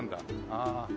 ああ。